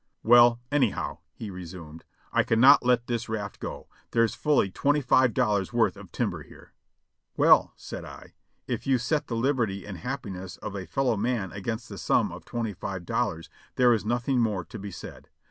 "Well, anyhow," he resumed, "I can not let this raft go; there's fully twenty five dollars' worth of timber here." "Well," said I, "if you set the liberty and happiness of a fellow man against the sum of twenty five dollars there is nothing more to be said.